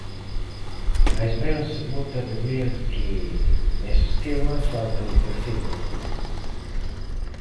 Mais ben se bota de ver que, nese esquema, falta un terceiro actor.